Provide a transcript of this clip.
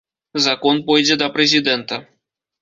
Закон пойдзе да прэзідэнта.